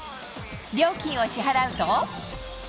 料金を支払うと。